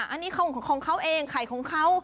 อันนี้ของเขาเองไข่ของเขา